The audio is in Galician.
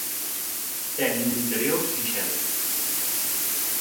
Ten un interior sinxelo.